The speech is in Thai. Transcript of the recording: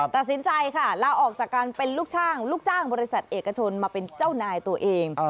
ตัดสินใจค่ะลาออกจากการเป็นลูกจ้างลูกจ้างบริษัทเอกชนมาเป็นเจ้านายตัวเอง